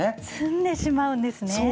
詰んでしまうんですね。